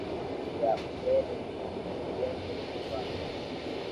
ya uzeni nina mkurugenzi mkuu wa